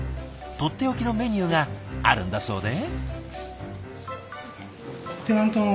とっておきのメニューがあるんだそうで。